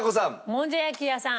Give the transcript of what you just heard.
もんじゃ焼き屋さん。